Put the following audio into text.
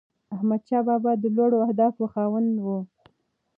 احمدشاه بابا د لوړو اهدافو خاوند و.